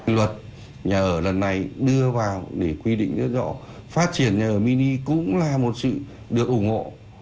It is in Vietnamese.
luật nhà ở lần này đưa vào để quy định rất rõ phát triển nhà ở mini cũng là một sự được ủng hộ